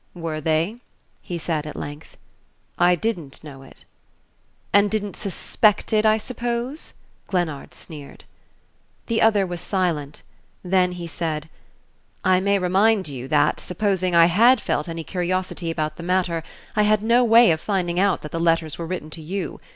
"Were they?" he said at length. "I didn't know it." "And didn't suspect it, I suppose," Glennard sneered. The other was again silent; then he said, "I may remind you that, supposing I had felt any curiosity about the matter, I had no way of finding out that the letters were written to you.